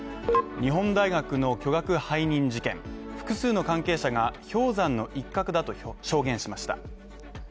日本大学の巨額背任事件、複数の関係者が氷山の一角だと証言しました。